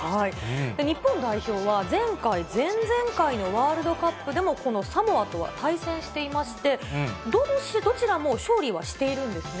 日本代表は、前回、前々回のワールドカップでも、このサモアとは対戦していまして、どちらも勝利はしているんですね。